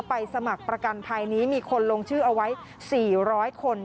สมัครประกันภัยนี้มีคนลงชื่อเอาไว้๔๐๐คน